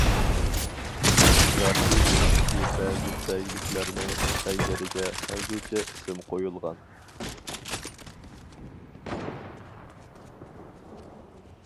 غەربىي يۇرتتىكى بەزى بەگلىكلەرنىڭ بەگلىرىگە خەنزۇچە ئىسىم قۇيۇلغان.